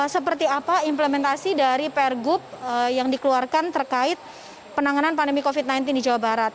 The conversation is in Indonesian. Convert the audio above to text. seperti apa implementasi dari pergub yang dikeluarkan terkait penanganan pandemi covid sembilan belas di jawa barat